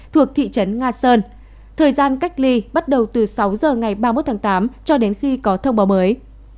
thuộc thị trấn nga sơn thời gian cách ly bắt đầu từ sáu giờ ngày ba mươi một tháng tám cho đến khi có thông báo mới